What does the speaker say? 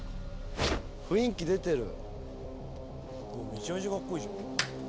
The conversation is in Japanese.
雰囲気出てる。